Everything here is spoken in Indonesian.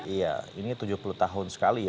iya ini tujuh puluh tahun sekali ya